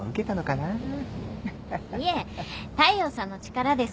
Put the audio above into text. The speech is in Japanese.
いえ大陽さんの力です。